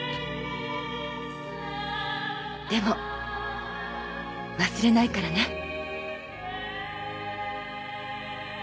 でも忘れないからね